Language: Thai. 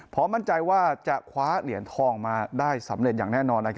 มั่นใจว่าจะคว้าเหรียญทองมาได้สำเร็จอย่างแน่นอน